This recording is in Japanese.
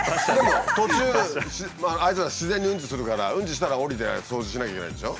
途中あいつら自然にうんちするからうんちしたら下りて掃除しなきゃいけないんでしょ。